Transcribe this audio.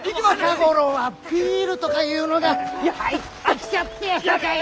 近頃はビールとかいうのが入ってきちゃってやさかい！